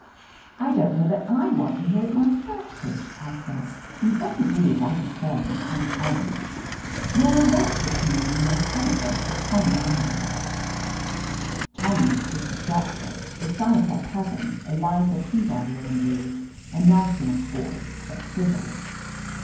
"I don't know that I want to hear it myself, Tish," I said. "You'd better do as Aggie says and come home. You're a wreck this mom 13 I THE AMAZING ADVENTURES ing, and IVe telephoned for Tommy An drews.'* Tommy is Tish's doctor, the son of her cousin, Eliza Peabody Andrews, a nice enough boy, but frivolous.